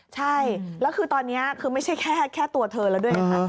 ใช่แล้วคือตอนนี้คือไม่ใช่แค่ตัวเธอแล้วด้วยนะคะ